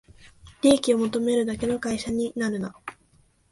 利益を求めるだけの会社になるな